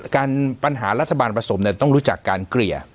ปัญหารัฐบาลผสมต้องรู้จักการเกลี่ย